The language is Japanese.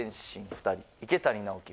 ２人池谷直樹